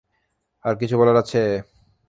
আর কারো কিছু বলার আছে?